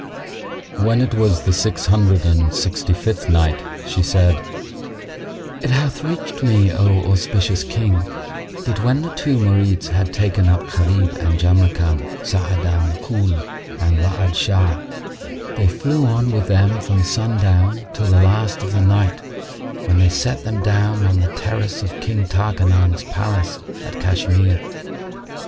When it was the Six Hundred and Sixty fifth Night, She said, It hath reached me, O auspicious King, that when the two Marids had taken up Gharib and Jamrkan, Sa'adan the Ghul and Ra'ad Shah, they flew on with them from sundown till the last of the Night, when they set them down on the terrace of King Tarkanan's palace at Cashmere.